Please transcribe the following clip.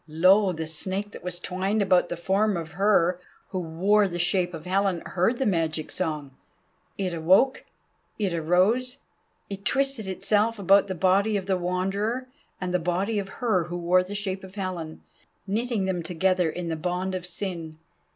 Lo! the Snake that was twined about the form of her who wore the shape of Helen heard the magic song. It awoke, it arose. It twisted itself about the body of the Wanderer and the body of her who wore the shape of Helen, knitting them together in the bond of sin.